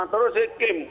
terus si kim